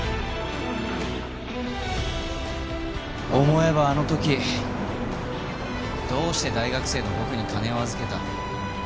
思えばあの時どうして大学生の僕に金を預けた？